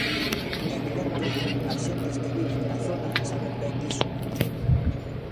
En Lendo as xentes que viven na zona saben ben diso.